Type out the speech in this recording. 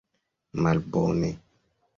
Malbone!